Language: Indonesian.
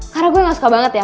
karena gue gak suka banget ya